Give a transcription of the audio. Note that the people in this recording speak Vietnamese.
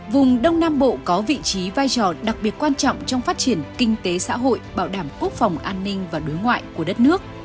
vùng đông nam bộ có vị trí vai trò đặc biệt quan trọng trong phát triển kinh tế xã hội bảo đảm quốc phòng an ninh và đối ngoại của đất nước